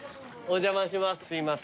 お邪魔いたします。